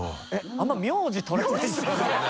あんまり名字とらないですよね？